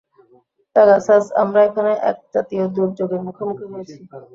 Pegasus, আমরা এখানে এক জাতীয় দুর্যোগের মুখোমুখি হয়েছি।